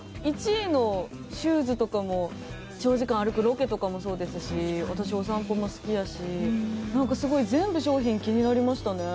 １位のシューズとかも長時間歩くロケとかもそうですし私、お散歩も好きだし全部商品気になりましたね。